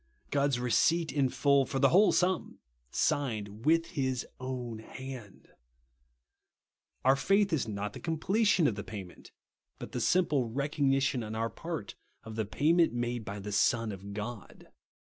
God's receipt in full, for the whole sum, signed with his own hand. Our faith is not the completion of the payment, but the simple THE BLOOD OF SPRINKLING. 63 recognition on oiir part of tlie payirient made by the Son of God.